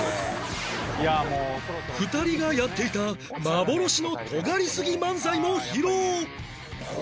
２人がやっていた幻のとがりすぎ漫才も披露